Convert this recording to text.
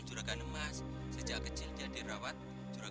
kakak sudah tidak kuat lagi